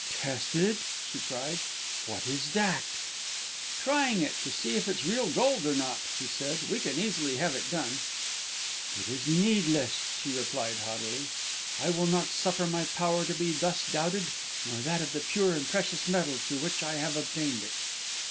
"Tested!" she cried; "what is that?" "Trying it, to see if it's real gold or not," he said. "We can easily have it done." "It is needless," she replied, haughtily. "I will not suffer my power to be thus doubted, nor that of the pure and precious metal through which I have obtained it!"